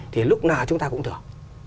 thì lúc nào chúng ta cũng thưởng